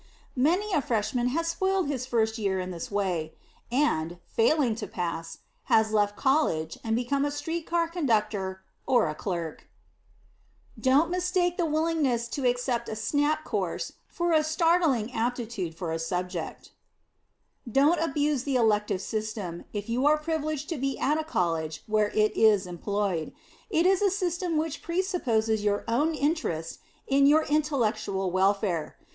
Many a Freshman has spoiled his first year in this way; and, failing to pass, has left College and become a street car conductor or a clerk. [Sidenote: "SNAP" COURSES] Don't mistake the willingness to accept a "snap" course for a startling aptitude for a subject. [Sidenote: ELECTIVE SYSTEM] Don't abuse the Elective System if you are privileged to be at a College where it is employed. It is a system which presupposes your own interest in your intellectual welfare.